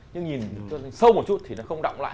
nhưng nhìn sâu một chút thì nó không động lại